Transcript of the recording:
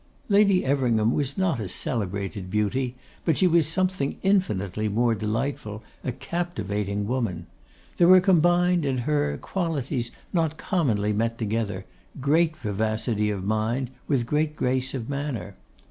Lady Everingham was not a celebrated beauty, but she was something infinitely more delightful, a captivating woman. There were combined, in her, qualities not commonly met together, great vivacity of mind with great grace of manner.